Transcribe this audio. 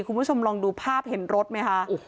คุณผู้ชมลองดูภาพเห็นรถไหมคะ